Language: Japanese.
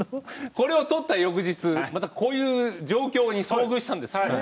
これを撮った翌日、またこういう状況に遭遇したんです。